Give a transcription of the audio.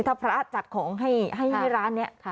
ถ้าพระจัดของให้ร้านนี้